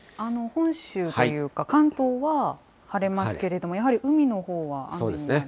本州というか、関東は晴れますけれども、やはり海のほうは雨になる。